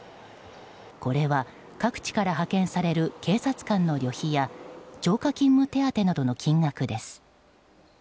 これは、各地から派遣される警察官の旅費や超過勤務手当などの金額です。